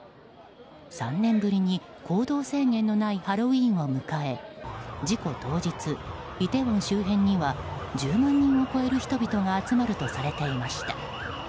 ３年ぶりに行動制限のないハロウィーンを迎え事故当日、イテウォン周辺には１０万人を超える人々が集まるとされていました。